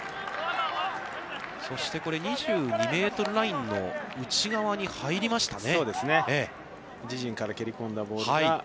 そして２２ｍラインの内側に入りましたね。